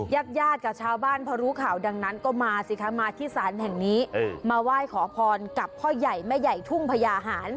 ญาติญาติกับชาวบ้านพอรู้ข่าวดังนั้นก็มาสิคะมาที่ศาลแห่งนี้มาไหว้ขอพรกับพ่อใหญ่แม่ใหญ่ทุ่งพญาหาร